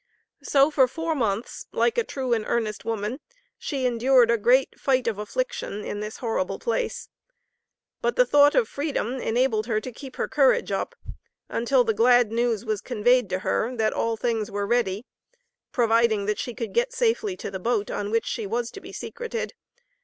So for four months, like a true and earnest woman, she endured a great "fight of affliction," in this horrible place. But the thought of freedom enabled her to keep her courage up, until the glad news was conveyed to her that all things were ready, providing that she could get safely to the boat, on which she was to be secreted.